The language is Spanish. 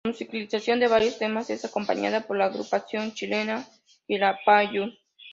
La musicalización de varios temas es acompañada por la agrupación chilena Quilapayún.